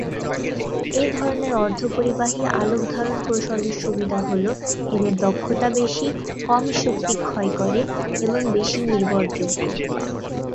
এ ধরনের অর্ধপরিবাহী আলোক-ধারণ কৌশলের সুবিধা হল, এদের দক্ষতা বেশি, কম শক্তি ক্ষয় করে এবং বেশি নির্ভরযোগ্য।